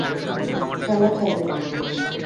খেলা খেলো।